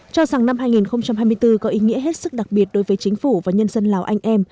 cho rằng năm hai nghìn hai mươi bốn có ý nghĩa hết sức đặc biệt đối với chính phủ và nhân dân lào anh em